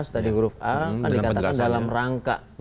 tadi huruf a kan dikatakan dalam rangka